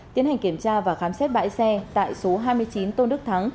tiến hành kiểm tra và khám xét bãi xe tại số hai mươi chín tôn đức thắng